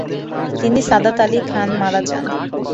তিনি সাদাত আলি খান মারা যান।